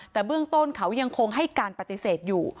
แต่เบื้องต้นเขายังคงให้การปฏิเสธอยู่